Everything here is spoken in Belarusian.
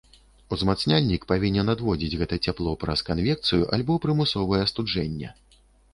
Узмацняльнік павінен адводзіць гэта цяпло праз канвекцыю альбо прымусовае астуджэнне.